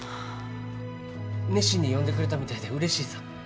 熱心に読んでくれたみたいでうれしいさ。